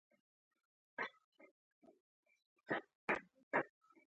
باران د افغانستان د شنو سیمو یوه ښکلا ده.